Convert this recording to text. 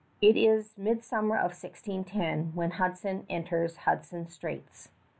It is midsummer of 1610 when Hudson enters Hudson Straits.